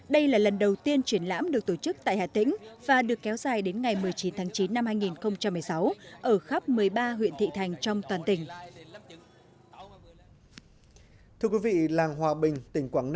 đây là lần đầu tiên triển lãm được tổ chức tại hà tĩnh và được kéo dài đến ngày một mươi chín tháng chín năm hai nghìn một mươi sáu ở khắp một mươi ba huyện thị thành trong toàn tỉnh